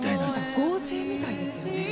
合成みたいですよね。